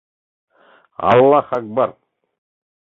Аллах акбар!